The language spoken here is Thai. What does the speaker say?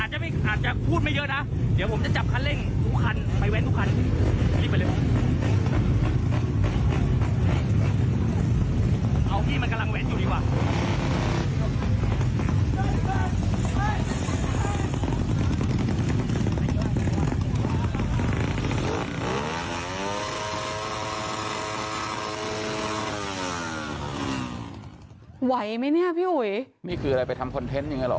ไหวไหมเนี่ยพี่อุ๋ยนี่คืออะไรไปทำคอนเทนต์อย่างนี้หรอ